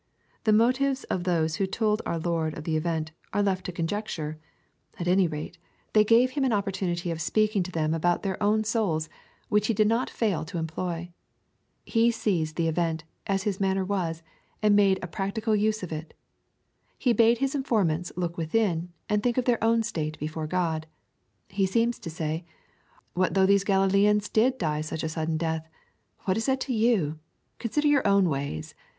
The motives of those who told our Liord of the event, we are left to conjecture. At any rate, they gave 106 KXPOfclTORY THOUGHTS. Him an opportanitr of speaking to thein al> >ui their own lonk, which He did not fail to employ. He seized the event, as His manner was, and made a practical use of it. He bade His intormants look within, and think of their own state before Crod. He seems to say, '' What though these Gralileans did die a sudden death ? What is that to you ? Consider your own ways.